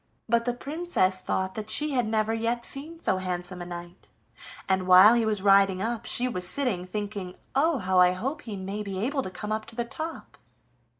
But the Princess thought that she had never yet seen so handsome a knight, and while he was riding up she was sitting thinking, "Oh! how I hope he may be able to come up to the top!"